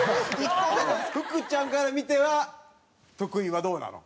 福ちゃんから見ては徳井はどうなの？